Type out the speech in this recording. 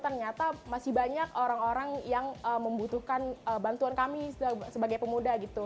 ternyata masih banyak orang orang yang membutuhkan bantuan kami sebagai pemuda gitu